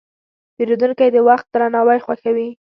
پیرودونکی د وخت درناوی خوښوي.